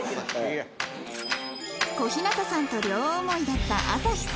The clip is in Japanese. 小日向さんと両思いだった麻火さん